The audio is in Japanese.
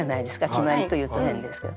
決まりというと変ですけど。